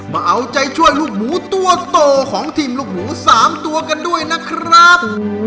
มาเอาใจช่วยลูกหมูตัวโตของทีมลูกหมู๓ตัวกันด้วยนะครับ